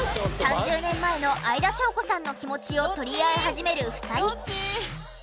３０年前の相田翔子さんの気持ちを取り合い始める２人。